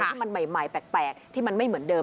ที่มันใหม่แปลกที่มันไม่เหมือนเดิม